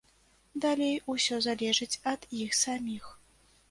Далей усё залежыць ад іх саміх.